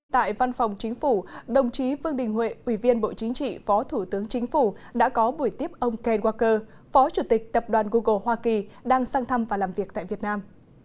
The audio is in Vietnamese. tại văn phòng chính phủ đồng chí vương đình huệ ủy viên bộ chính trị phó thủ tướng chính phủ đã có buổi tiếp ông ken walker phó chủ tịch tập đoàn google hoa kỳ đang sang thăm và làm việc tại việt nam